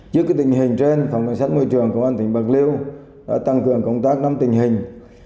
trước tình hình trên phòng cảnh sát môi trường công an tỉnh bạc liêu đã tăng cường công tác nắm tình hình